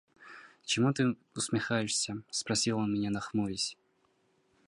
– Чему ты усмехаешься? – спросил он меня нахмурясь.